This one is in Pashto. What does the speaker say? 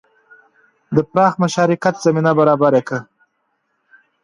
د پراخ مشارکت زمینه برابره کړه.